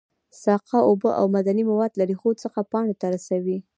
ساقه اوبه او معدني مواد له ریښو څخه پاڼو ته رسوي